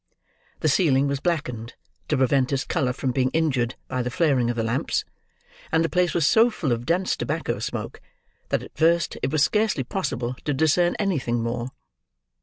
The ceiling was blackened, to prevent its colour from being injured by the flaring of the lamps; and the place was so full of dense tobacco smoke, that at first it was scarcely possible to discern anything more.